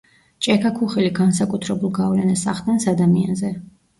ჭექა-ქუხილი განსაკუთრებულ გავლენას ახდენს ადამიანზე.